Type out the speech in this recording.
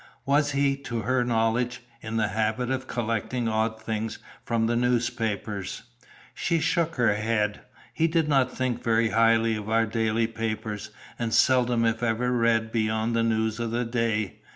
"Was he, to her knowledge, in the habit of collecting odd things from the newspapers?" She shook her head. "He did not think very highly of our daily papers, and seldom if ever read beyond the news of the day.